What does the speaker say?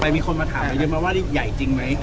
มีคนมาถามว่าจริงมั้ย